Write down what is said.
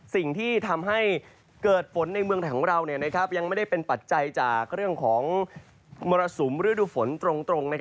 สิ่งที่ทำให้เกิดฝนในเมืองไทยของเรายังไม่ได้เป็นปัจจัยจากเรื่องของมรสุมฤดูฝนตรง